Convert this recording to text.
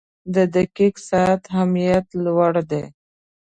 • د دقیق ساعت اهمیت لوړ دی.